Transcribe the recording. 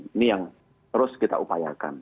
ini yang terus kita upayakan